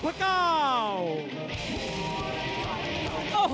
พระกาว